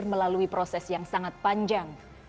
melalui proses yang sangat panjang